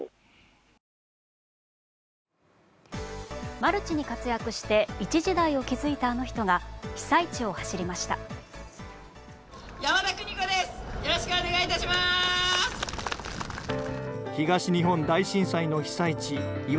マルチに活躍して一時代を築いたあの人が被災地を走りました。